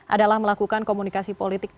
adalah melakukan komunikasi politik